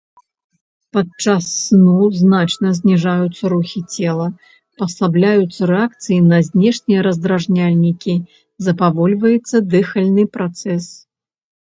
Падчас сну значна зніжаюцца рухі цела, паслабляюцца рэакцыі на знешнія раздражняльнікі, запавольваецца дыхальны працэс.